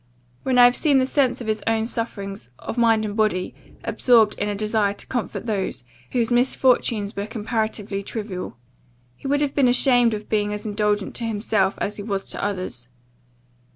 when I have seen the sense of his own sufferings, of mind and body, absorbed in a desire to comfort those, whose misfortunes were comparatively trivial. He would have been ashamed of being as indulgent to himself, as he was to others.